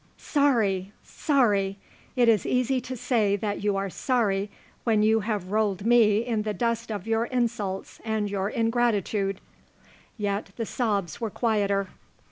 "Sorry! Sorry! It is easy to say that you are sorry when you have rolled me in the dust of your insults and your ingratitude!" Yet the sobs were quieter.